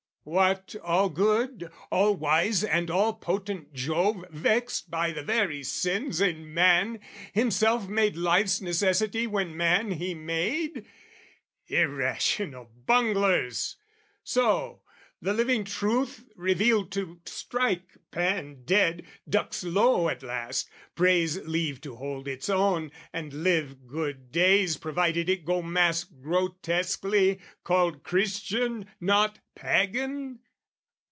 What all good, all wise and all potent Jove Vexed by the very sins in man, himself Made life's necessity when man he made? Irrational bunglers! So, the living truth Revealed to strike Pan dead, ducks low at last, Prays leave to hold its own and live good days Provided it go masque grotesquely, called Christian not Pagan?